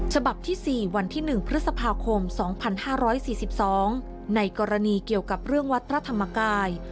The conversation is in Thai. ฉบับที่๔วันที่๑พฤษภาคม๒๕๔๒ในกรณีเกี่ยวกับเรื่องวัดพระธรรมกาย